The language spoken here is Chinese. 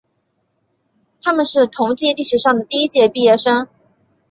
他们是同济历史上的第一届毕业生。